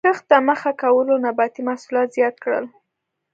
کښت ته مخه کولو نباتي محصولات زیات کړل.